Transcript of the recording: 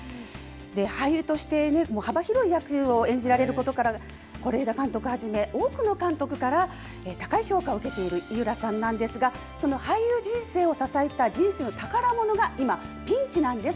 俳優として幅広い役を演じられることから、是枝監督はじめ、多くの監督から高い評価を受けている井浦さんなんですが、その俳優人生を支えた人生の宝ものが今、ピンチなんです。